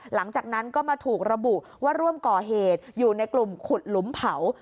หลังจากนั้นก็มาถูกระบุว่าร่วมก่อเหตุอยู่ในกลุ่มขุดหลุมเผา